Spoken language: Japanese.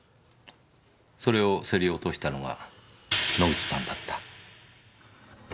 それを競り落としたのが野口さんだった。